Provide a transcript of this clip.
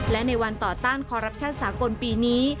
และในวันต่อต้านคอรัปชั่นสากลปีนี้